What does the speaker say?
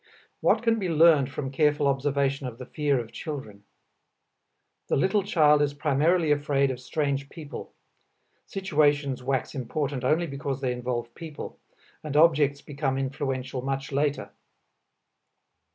What can be learned from careful observation of the fear of children? The little child is primarily afraid of strange people; situations wax important only because they involve people, and objects become influential much later.